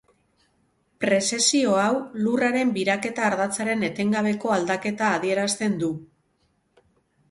Prezesio hau Lurraren biraketa ardatzaren etengabeko aldaketa adierazten du.